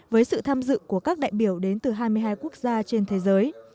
với sự tham dự của các đại biểu đến từ hai mươi hai quốc gia trên thế giới